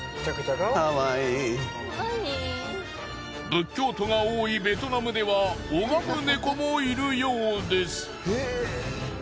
仏教徒が多いベトナムでは拝むネコもいるようです。